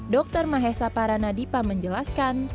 dr mahesa paranadipa menjelaskan